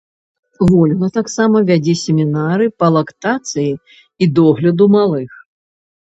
Вольга таксама вядзе семінары па лактацыі і догляду малых.